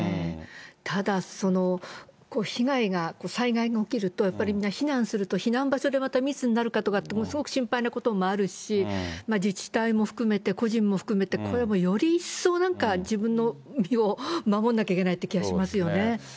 ただ、その被害が、災害が起きると、やっぱりみんな避難すると、避難場所で密になるかとか、すごく心配なこともあるし、自治体も含めて、個人も含めて、これはもうより一層、なんか自分の身を守んなきゃいけないという気がしますよね。